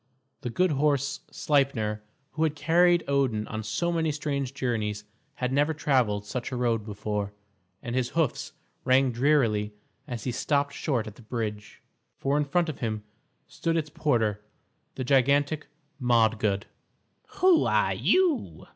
The good horse Sleipner, who had carried Odin on so many strange journeys, had never travelled such a road before, and his hoofs rang drearily as he stopped short at the bridge, for in front of him stood its porter, the gigantic Modgud. "Who are you?"